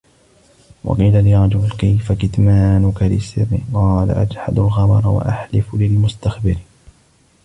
وَقِيلَ لِرَجُلٍ كَيْفَ كِتْمَانُك لِلسِّرِّ ؟ قَالَ أَجْحَدُ الْخَبَرَ وَأَحْلِفُ لِلْمُسْتَخْبِرِ